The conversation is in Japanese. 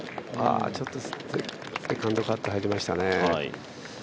セカンドカット入りましたね。